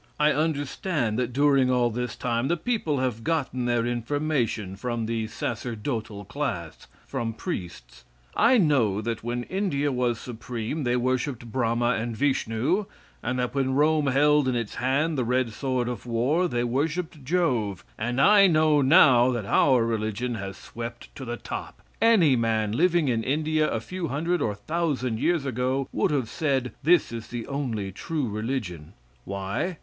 I understand that during all this time the people have gotten their information from the sacerdotal class from priests. I know that when India was supreme they worshipped Brahma and Vishnu, and that when Rome held in its hand the red sword of war they worshipped Jove, and I know now that our religion has swept to the top. Any man living in India a few hundred or thousand years ago would have said, this is the only true religion. Why?